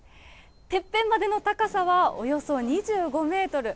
てっぺんまでの高さはおよそ２５メートル。